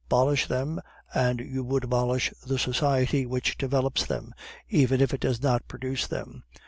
Abolish them, you would abolish the society which develops them, even if it does not produce them.